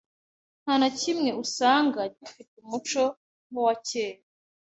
ntanakimwe usanga gifite umuco nkuwakera,